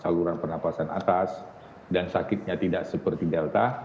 saluran pernafasan atas dan sakitnya tidak seperti delta